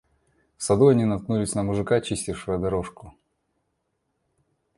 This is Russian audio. В саду они наткнулись на мужика, чистившего дорожку.